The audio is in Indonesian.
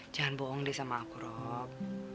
jangan bohong deh sama aku rob